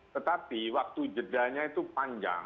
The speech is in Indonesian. tetapi waktu jedanya itu panjang